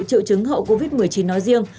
triệu chứng hậu covid một mươi chín nói riêng